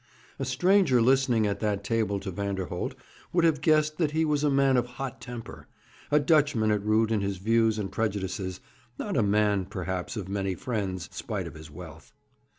A stranger listening at that table to Vanderholt would have guessed that he was a man of hot temper, a Dutchman at root in his views and prejudices, not a man, perhaps, of many friends, spite of his wealth.